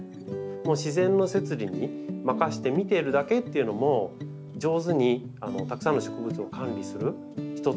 自然の摂理に任せて見てるだけっていうのも上手にたくさんの植物を管理する一つのポイントなんです。